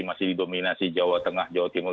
masih didominasi jawa tengah jawa timur